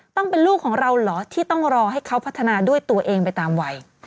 ต้องเป็นลูกของเราเหรอที่ต้องรอให้เขาพัฒนาด้วยตัวเองไปตามวัย